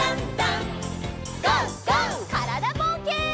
からだぼうけん。